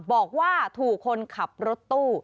บอกว่าถูกคนขับรถตู้